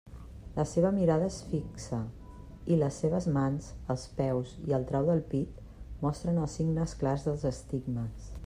La seva mirada és fi xa, i les seves mans, els peus i el trau del pit mostren els signes clars dels estigmes.